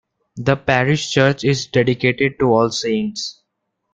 The parish church is dedicated to All Saints.